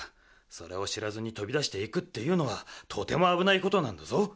それをしらずにとびだしていくっていうのはとてもあぶないことなんだぞ。